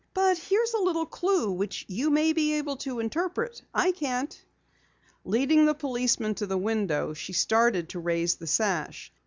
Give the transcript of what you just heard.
"But here's a little clue which you may be able to interpret. I can't." Leading the policeman to the window, she started to raise the sash.